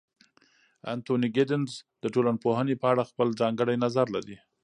انتوني ګیدنز د ټولنپوهنې په اړه خپل ځانګړی نظر لري.